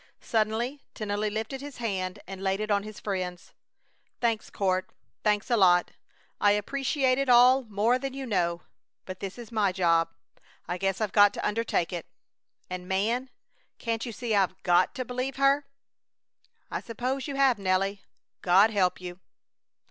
Suddenly Tennelly lifted his hand and laid it on his friend's. "Thanks, Court. Thanks a lot. I appreciate it all more than you know. But this is my job. I guess I've got to undertake it! And, man! can't you see I've got to believe her?" "I suppose you have, Nelly. God help you!"